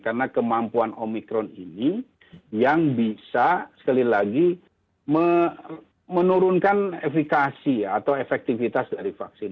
karena kemampuan omikron ini yang bisa sekali lagi menurunkan efekasi atau efektivitas dari vaksin